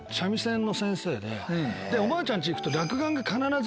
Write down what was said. おばあちゃん家行くと。